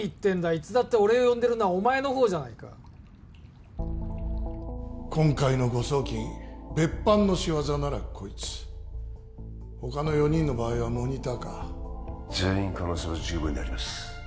いつだって俺を呼んでるのはお前のほうじゃないか今回の誤送金別班の仕業ならこいつ他の４人の場合はモニターか全員可能性は十分にあります